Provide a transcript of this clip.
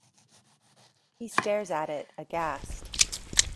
He stares at it, aghast.